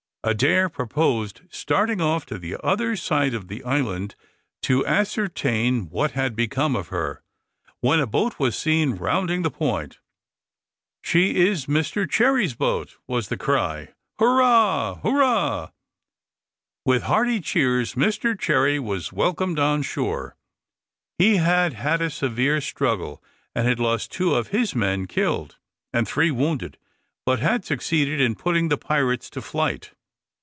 Adair proposed starting off to the other side of the island to ascertain what had become of her, when a boat was seen rounding the point. "She is Mr Cherry's boat," was the cry. "Hurrah! hurrah!" With hearty cheers, Mr Cherry was welcomed on shore. He had had a severe struggle, and had lost two of his men killed, and three wounded, but had succeeded in putting the pirates to flight.